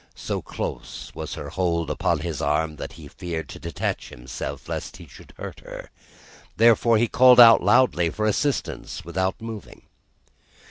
So close was her hold upon his arm, that he feared to detach himself lest he should hurt her; therefore he called out loudly for assistance without moving.